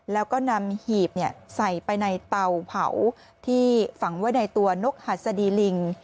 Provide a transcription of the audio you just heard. แล้วก็นำหีบใส่ไปในเตาเผาที่ฝังไว้ในตัวนกหัสดีลิง